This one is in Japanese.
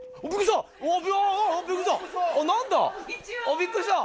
びっくりした！